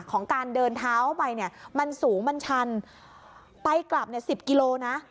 ของการเดินเท้าไปเนี่ยมันสูงมันชันไปกลับเนี่ยสิบกิโลนะ